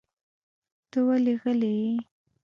ته ولې غلی یې؟